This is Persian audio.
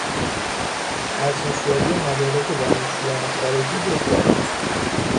ارزشیابی مدارک دانشجویان خارجی دشوار است.